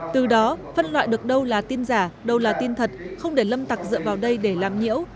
từ đó phân loại được đâu là tin giả đâu là tin thật không để lâm tặc dựa vào đây để làm nhiễu